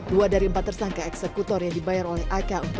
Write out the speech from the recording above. dua dari empat tersangka eksekutor yang dibayar oleh ak